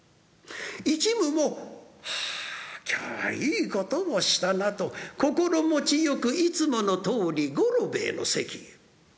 一夢も「はあ今日はいい事をしたな」と心持ちよくいつものとおり五郎兵衛の席へ。